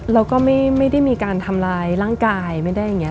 แล้วก็ไม่ได้มีการทำร้ายร่างกายไม่ได้อย่างนี้